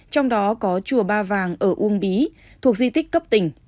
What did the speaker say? trong đó có chùa ba vàng ở uông bí thuộc di tích cấp tỉnh